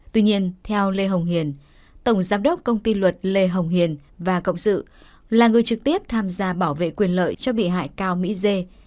tuy nhiên theo lê hồng hiền tổng giám đốc công ty luật lê hồng hiền và cộng sự là người trực tiếp tham gia bảo vệ quyền lợi cho bị hại cao mỹ dê